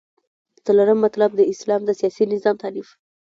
څلورم مطلب : د اسلام د سیاسی نظام تعریف